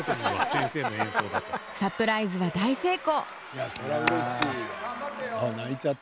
サプライズは大成功！